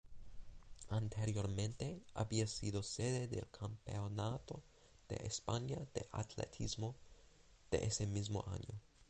Anteriormente, había sido sede del Campeonato de España de Atletismo de ese mismo año.